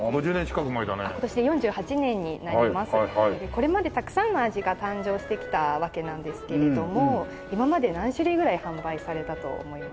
これまでたくさんの味が誕生してきたわけなんですけれども今まで何種類ぐらい販売されたと思いますか？